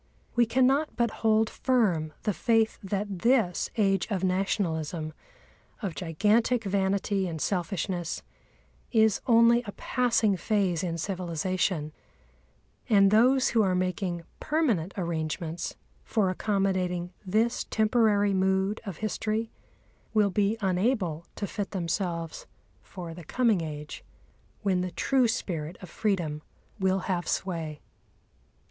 We cannot but hold firm the faith that this Age of Nationalism, of gigantic vanity and selfishness, is only a passing phase in civilisation, and those who are making permanent arrangements for accommodating this temporary mood of history will be unable to fit themselves for the coming age, when the true spirit of freedom will have sway.